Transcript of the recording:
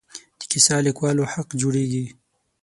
د کیسه لیکوالو حق جوړېږي.